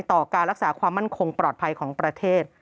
ต่อการรักษาความมั่นคงปลอดภัยของประเทศ